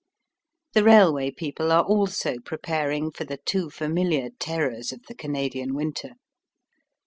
The railway people are also preparing for the too familiar terrors of the Canadian winter.